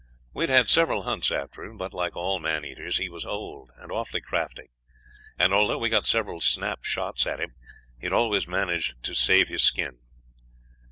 We had had several hunts after him, but, like all man eaters, he was old and awfully crafty; and although we got several snap shots at him, he had always managed to save his skin.